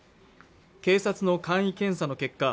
警察の簡易検査の結果